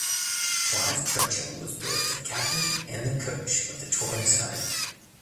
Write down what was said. Clive Churchill was both the captain and the coach of the touring side.